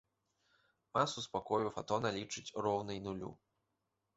Масу спакою фатона лічаць роўнай нулю.